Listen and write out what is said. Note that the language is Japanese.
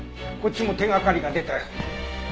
こっちも手掛かりが出たよ。